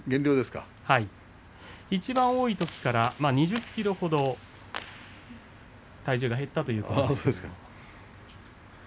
いちばん多いときから２０ｋｇほど体重が減ったということです。